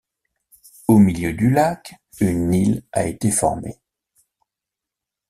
Au milieu du lac, une île a été formée.